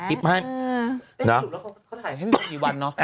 เป็นไม่ถูกแล้วเค้าถ่ายให้พี่โพธกี่วันเนอะ